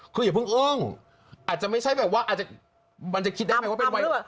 คืออย่าเพิ่งเอิ้งอาจจะไม่ใช่แบบว่ามันจะคิดได้ไหมว่าเป็น